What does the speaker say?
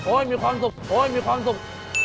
มีความสุขโอ๊ยมีความสุข